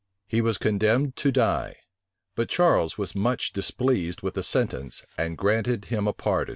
He was condemned to die: but Charles was much displeased with the sentence, and granted him a pardon.